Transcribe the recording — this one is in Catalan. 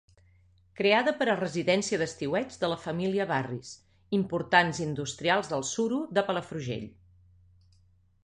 Creada per a residència d'estiueig de la família Barris, importants industrials del suro de Palafrugell.